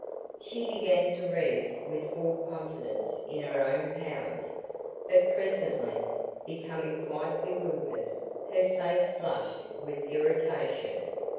She began to read with full confidence in her own powers, but presently, becoming quite bewildered, her face flushed with irritation.